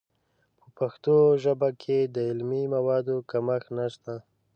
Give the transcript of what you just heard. په پښتو ژبه کې د علمي موادو کمښت نشته.